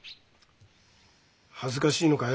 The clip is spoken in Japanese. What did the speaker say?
恥ずかしいのかよ？